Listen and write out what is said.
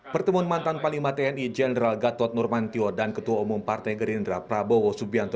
pertemuan mantan panglima tni jenderal gatot nurmantio dan ketua umum partai gerindra prabowo subianto